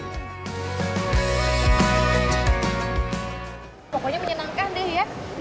pokoknya menyenangkan deh ya